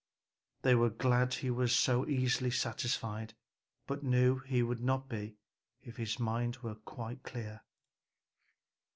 They were glad he was so easily satisfied, but knew he would not be if his mind were quite clear.